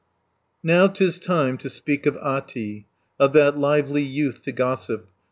Now 'tis time to speak of Ahti, Of that lively youth to gossip.